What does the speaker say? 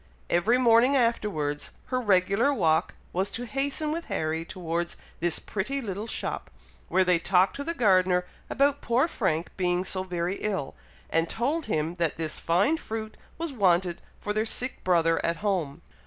Every morning afterwards, her regular walk was to hasten with Harry towards this pretty little shop, where they talked to the gardener about poor Frank being so very ill, and told him that this fine fruit was wanted for their sick brother at home.